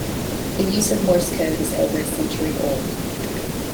The use of Morse code is over a century old.